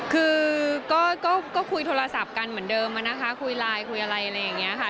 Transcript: คือก็คุยโทรศัพท์กันเหมือนเดิมอะนะคะคุยไลน์คุยอะไรอะไรอย่างนี้ค่ะ